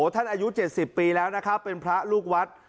ท่านอายุเจ็ดสิบปีแล้วนะครับเป็นพระลูกวัด